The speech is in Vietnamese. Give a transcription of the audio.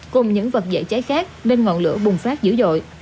cùng những vật dễ cháy khác nên ngọn lửa bùng phát dữ dội